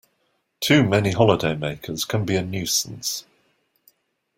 Too many holidaymakers can be a nuisance